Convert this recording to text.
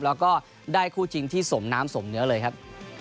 แล้วก็ได้คู่จริงที่สมน้ำสมเนื้อเลยครับ